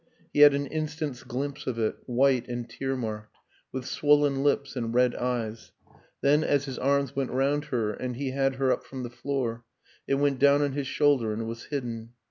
He had an instant's glimpse of it, white and tear marked, with swollen lips and red eyes; then, as his arms went round her and he had her up from the floor, it went down on his shoul der and was hidden.